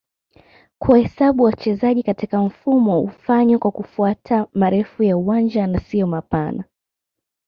kuhesabu wachezaji katika mfumo hufanywa kwa kufuata marefu ya uwanja na sio mapana